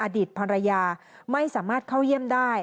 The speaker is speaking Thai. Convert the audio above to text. อดีตภรรยาไม่สามารถเข้าเยี่ยมได้